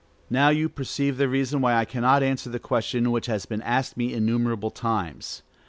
Now you perceive the reason why I cannot answer the question which has been asked me innumerable times.